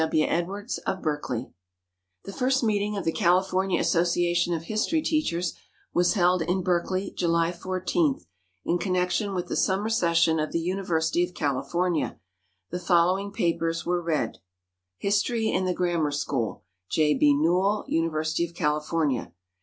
W. EDWARDS, OF BERKELEY. The first meeting of the California Association of History Teachers was held in Berkeley, July 14, in connection with the summer session of the University of California. The following papers were read: "History in the Grammar School" J. B. Newell, University of California.